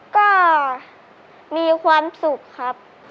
ก็มีความสุขครับ